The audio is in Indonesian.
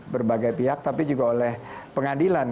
berbagai pihak tapi juga oleh pengadilan